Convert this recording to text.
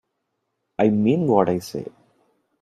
I mean what I say.